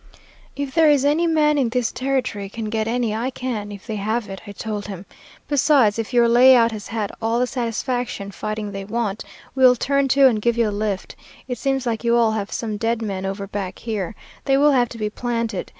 "'If there is any man in this territory can get any I can if they have it,' I told him. 'Besides, if your lay out has had all the satisfaction fighting they want, we'll turn to and give you a lift. It seems like you all have some dead men over back here. They will have to be planted.